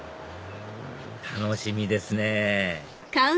楽しみですねぇ